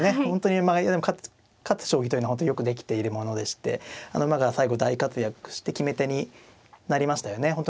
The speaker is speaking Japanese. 本当に勝つ将棋というのはよくできているものでして馬が最後大活躍して決め手になりましたよね。